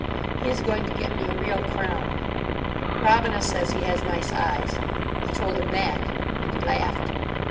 He is going to get me a real crown. Robina says he has nice eyes. I told him that. And he laughed.